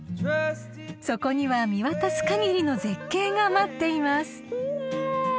［そこには見渡す限りの絶景が待っています］